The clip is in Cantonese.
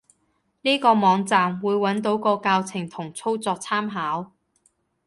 呢個網站，會揾到個教程同操作參考